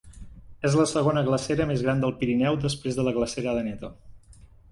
És la segona glacera més gran del Pirineu, després de la glacera d'Aneto.